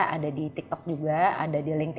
ada di tiktok juga ada di link